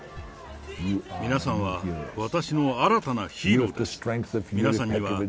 皆さんは私の新たなヒーローです。